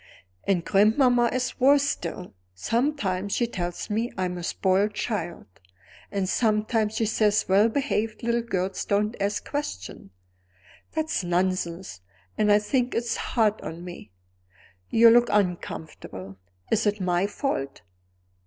And grandmamma is worse still. Sometimes she tells me I'm a spoiled child; and sometimes she says well behaved little girls don't ask questions. That's nonsense and I think it's hard on me. You look uncomfortable. Is it my fault?